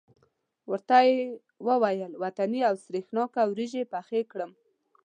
ورته یې وویل وطنۍ او سرېښناکه وریجې پخې کړم.